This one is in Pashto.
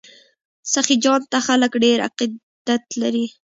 سخي جان ته خلک ډیر عقیدت لري.